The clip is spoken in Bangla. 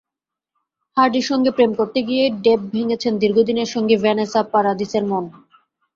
হার্ডের সঙ্গে প্রেম করতে গিয়েই ডেপ ভেঙেছেন দীর্ঘদিনের সঙ্গী ভেনেসা পারাদিসের মন।